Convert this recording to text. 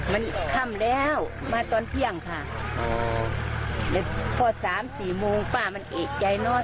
มันค่ำแล้วมาตอนเที่ยงค่ะแล้วพอสามสี่โมงป้ามันเอกใจนอน